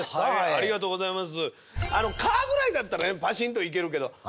ありがとうございます。